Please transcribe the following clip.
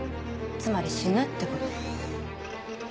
つまり死ぬってこと。